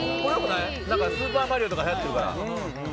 なんか『スーパーマリオ』とか流行ってるから。